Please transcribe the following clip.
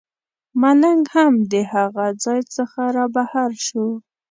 ملنګ هم د هغه ځای څخه رابهر شو.